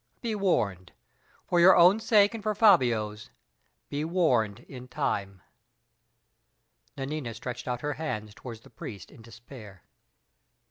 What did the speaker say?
Be warned! For your own sake and for Fabio's, be warned in time." Nanina stretched out her hands toward the priest in despair.